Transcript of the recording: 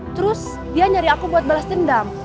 terus dia nyari aku buat balas dendam